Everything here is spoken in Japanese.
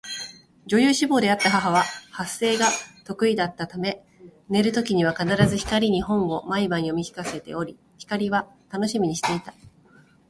女優志望であった母は発声が得意だったため寝る時には必ず光に本を毎晩読み聞かせており、光は楽しみにしていた